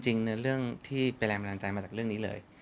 จริงเรื่องที่เป็นแรงแปลงใจมาจากเรื่องนี้เลย